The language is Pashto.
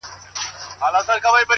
o هم غم، هم غمور!